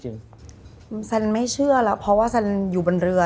แซนไม่เชื่อแล้วเพราะว่าแซนอยู่บนเรือ